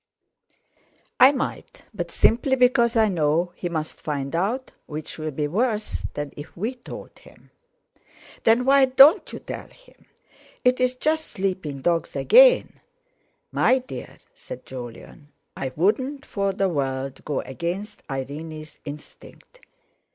"I might, but simply because I know he must find out, which will be worse than if we told him." "Then why don't you tell him? It's just sleeping dogs again." "My dear," said Jolyon, "I wouldn't for the world go against Irene's instinct.